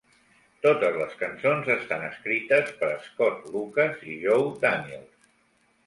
Totes les cançons estan escrites per Scott Lucas i Joe Daniels.